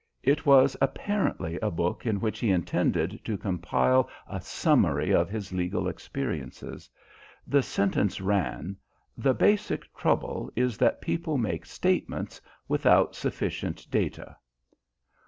It was apparently a book in which he intended to compile a summary of his legal experiences. The sentence ran: "The basic trouble is that people make statements without sufficient data."